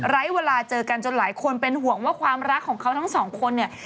เวลาเจอกันจนหลายคนเป็นห่วงว่าความรักของเขาทั้งสองคนเนี่ย